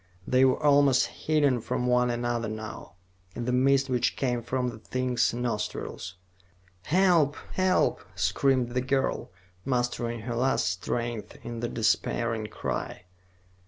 They were almost hidden from one another now, in the mist which came from the thing's nostrils. "Help, help!" screamed the girl, mustering her last strength in the despairing cry.